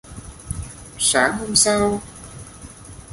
Sáng hôm sau